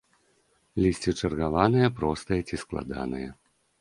Лісце чаргаванае, простае ці складанае.